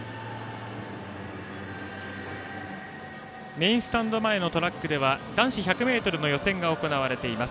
メインスタンド前のトラックでは男子１００ｍの予選が行われています。